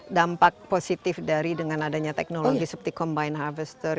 dampak positif dari dengan adanya teknologi seperti combine harvester